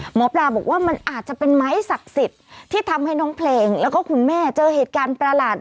หมอปลาบอกว่ามันอาจจะเป็นไม้ศักดิ์สิทธิ์ที่ทำให้น้องเพลงแล้วก็คุณแม่เจอเหตุการณ์ประหลาด